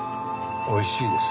・おいしいです。